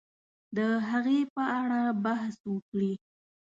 د هغې په اړه بحث وکړي